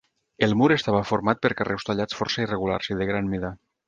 El mur estava format per carreus tallats força irregulars i de gran mida.